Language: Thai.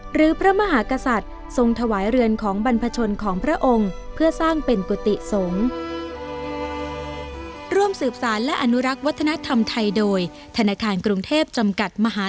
หรือพระมหากษัตริย์ทรงถวายเรือนของบรรพชนของพระองค์เพื่อสร้างเป็นกุฏิสงฆ์